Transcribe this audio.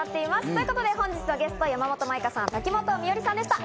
ということで本日のゲスト、山本舞香さん、瀧本美織さんでした。